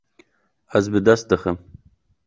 Ez bi dest dixim.